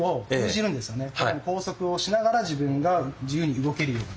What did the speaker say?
拘束をしながら自分が自由に動けるように動いていく。